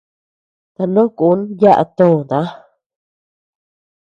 Tanoʼö kun yaʼa töota.